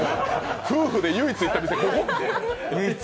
夫婦で唯一行った店って。